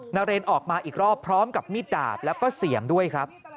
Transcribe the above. นาเรนออกมาอีกรอบพร้อมกับมีดดาบแล้วก็เสียมด้วยครับ